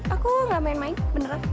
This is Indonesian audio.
aku ramai main main beneran